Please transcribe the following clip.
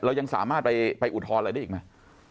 เรายังสามารถไปอุทธรณ์อะไรได้อีกไหม